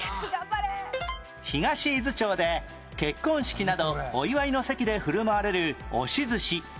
東伊豆町で結婚式などお祝いの席で振る舞われる押し寿司